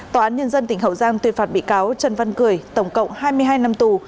tòa án nhân dân tỉnh hậu giang tuyên phạt bị cáo trần văn cười tổng cộng hai mươi hai năm tù